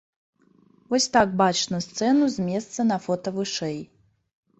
Вось так бачна сцэну з месца на фота вышэй.